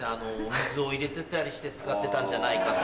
水を入れたりして使ってたんじゃないかと。